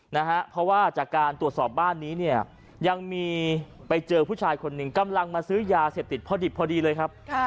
นะฮะเพราะว่าจากการตรวจสอบบ้านนี้เนี่ยยังมีไปเจอผู้ชายคนหนึ่งกำลังมาซื้อยาเสพติดพอดิบพอดีเลยครับ